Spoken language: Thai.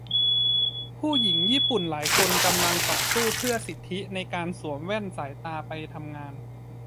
ผู้หญิงญี่ปุ่นหลายคนกำลังต่อสู้เพื่อสิทธิในการสวมแว่นสายตาไปทำงาน